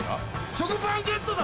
食パンゲットだ！